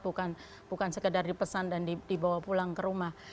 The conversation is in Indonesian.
bukan sekedar di pesan dan dibawa pulang ke rumah